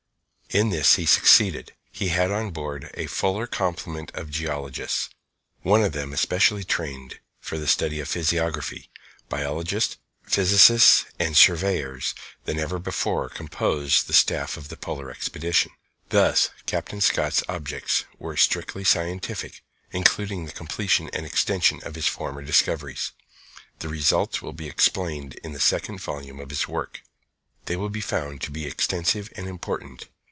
In this he succeeded. He had on board a fuller complement of geologists, one of them especially trained for the study of physiography, biologists, physicists, and surveyors than ever before composed the staff of a polar expedition. Thus Captain Scott's objects were strictly scientific, including the completion and extension of his former discoveries. The results will be explained in the second volume of this work. They will be found to be extensive and important.